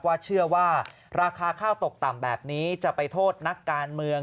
เชื่อว่าราคาข้าวตกต่ำแบบนี้จะไปโทษนักการเมือง